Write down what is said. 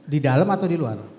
di dalam atau di luar